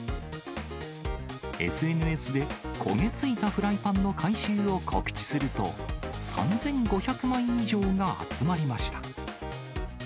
ＳＮＳで焦げ付いたフライパンの回収を告知すると、３５００枚以上が集まりました。